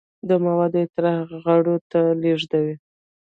دا مواد اطراحي غړو ته لیږدوي.